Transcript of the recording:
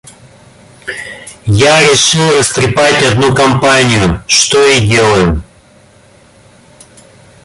Я решил растрепать одну компанию, что и делаю.